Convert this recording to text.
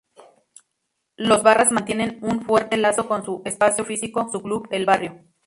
Los "Barras" mantienen un fuerte lazo con su espacio físico, su club, el barrio.